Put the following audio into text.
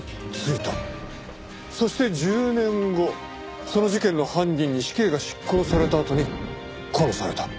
そして１０年後その事件の犯人に死刑が執行されたあとに殺された。